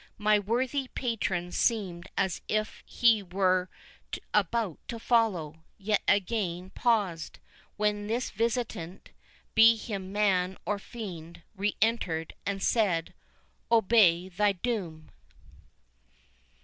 My worthy patron seemed as if he were about to follow, yet again paused, when this visitant, be he man or fiend, re entered, and said, 'Obey thy doom.